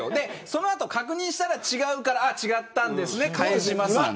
そのあと確認したら違うから違ったんですねと返しました。